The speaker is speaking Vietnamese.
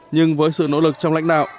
nhưng với sự nỗ lực trong lãnh đạo